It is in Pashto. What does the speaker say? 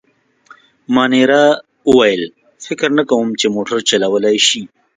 مانیرا وویل: فکر نه کوم، چي موټر چلولای شي.